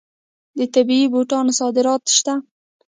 د طبي بوټو صادرات شته.